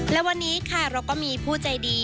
และวันนี้ค่ะเราก็มีผู้ใจดี